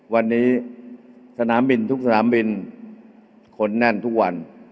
วันนี้สนามบินทุกสนามบินคนแน่นทุกวัน